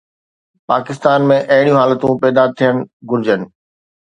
پاڪستان ۾ اهڙيون حالتون پيدا ٿيڻ گهرجن